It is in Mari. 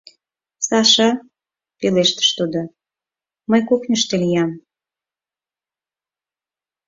— Саша, — пелештыш тудо, — мый кухньышто лиям.